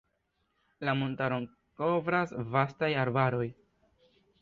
La montaron kovras vastaj arbaroj.